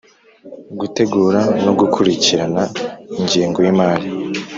Gutegura no gukurikirana ingengo y imari